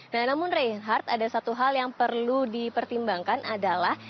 nah namun reinhardt ada satu hal yang perlu dipertimbangkan adalah